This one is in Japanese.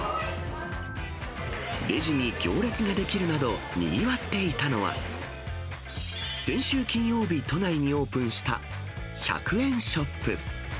レジに行列が出来るなど、にぎわっていたのは、先週金曜日、都内にオープンした１００円ショップ。